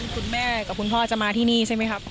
คุณพ่อกับคุณพ่อจะมาที่นี่ใช่ไหมครับ